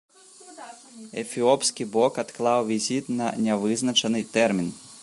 Эфіопскі бок адклаў візіт на нявызначаны тэрмін.